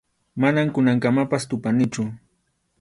Manam kunankamapas tupanichu.